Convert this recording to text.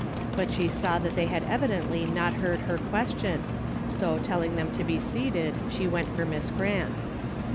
But she saw that they had evidently not heard her question, so telling them to be seated, she went for Miss Grant.